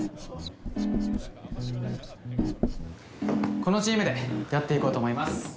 このチームでやっていこうと思います。